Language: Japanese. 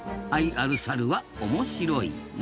愛あるサルは面白い。